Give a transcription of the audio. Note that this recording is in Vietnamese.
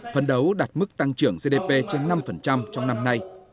phần đấu đặt mức tăng trưởng gdp trên năm trong năm nay